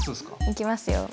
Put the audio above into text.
いきますよ。